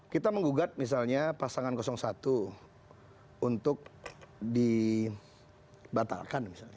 kita menggugat misalnya pasangan satu untuk dibatalkan misalnya